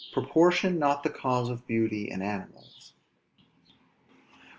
PROPORTION NOT THE CAUSE OF BEAUTY IN ANIMALS.